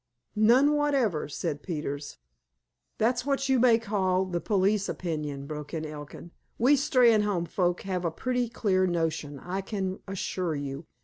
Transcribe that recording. "None whatever," said Peters. "That's what you may call the police opinion," broke in Elkin. "We Steynholme folk have a pretty clear notion, I can assure you."